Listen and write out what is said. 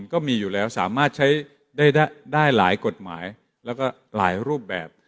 ก็มีอยู่แล้วสามารถใช้ได้หลายกฎหมายแล้วก็หลายรูปแบบ